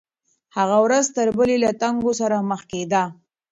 هغه ورځ تر بلې له تنګو سره مخ کېده.